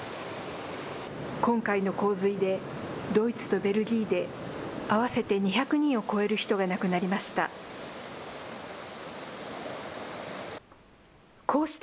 今回の洪水で、ドイツとベルギーで合わせて２００人を超える人が亡くなりました。